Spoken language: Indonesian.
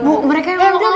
bu mereka yang mulai